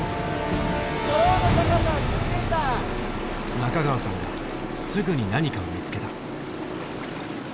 中川さんがすぐに何かを見つけた。